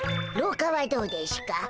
ろうかはどうでしゅか？